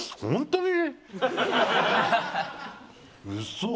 嘘！